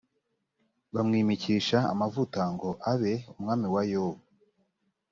bamwimikisha amavuta ngo abe umwami wa yobu